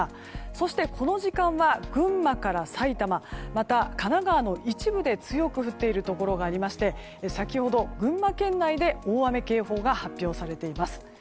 そしてこの時間は群馬から埼玉また、神奈川の一部で強く降っているところがありまして先ほど、群馬県内で大雨警報が発表されています。